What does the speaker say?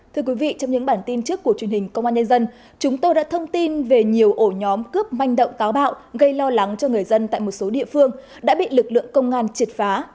thưa quý vị trong những bản tin trước của truyền hình công an nhân dân chúng tôi đã thông tin về nhiều ổ nhóm cướp manh động táo bạo gây lo lắng cho người dân tại một số địa phương đã bị lực lượng công an triệt phá